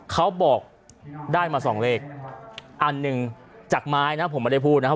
เขาบอกได้มาสองเลขอันหนึ่งจากไม้นะผมไม่ได้พูดนะครับ